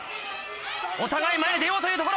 お互い前に出ようというところ。